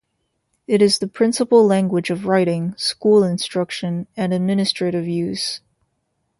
It is the principal language of writing, school instruction, and administrative use.